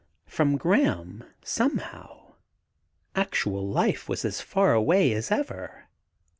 From Graham, somehow, actual life was as far away as ever.